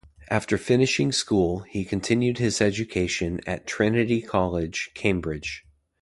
After finishing school, he continued his education at Trinity College, Cambridge.